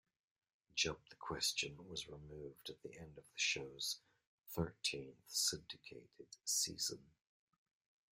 Jump the Question was removed at the end of the show's thirteenth syndicated season.